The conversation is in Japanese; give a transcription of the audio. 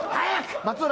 松浦！